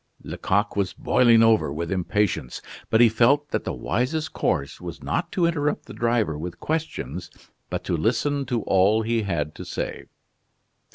Lecoq was boiling over with impatience; but he felt that the wisest course was not to interrupt the driver with questions, but to listen to all he had to say.